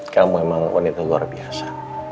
kamu emang wanita luar biasa